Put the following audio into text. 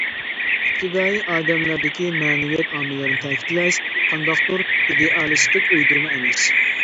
ئىپتىدائىي ئادەملەردىكى مەنىۋىيەت ئامىللىرىنى تەكىتلەش، قانداقتۇر ئىدېئالىستىك ئويدۇرما ئەمەس.